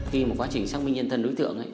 khi mà quá trình xác minh nhân thân đối tượng ấy